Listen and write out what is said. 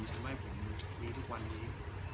ทำให้ผมมีทุกวันนี้